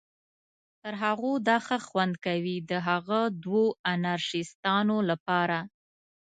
تر هغو دا ښه خوند کوي، د هغه دوو انارشیستانو لپاره.